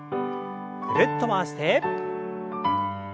ぐるっと回して。